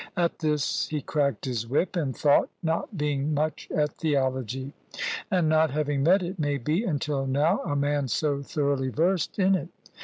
At this he cracked his whip and thought, not being much at theology; and not having met, it may be, until now, a man so thoroughly versed in it.